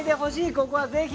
ここはぜひ。